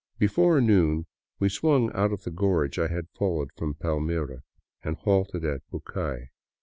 Before noon we swung out of the gorge I had followed from Pal mira, and halted at Bucay.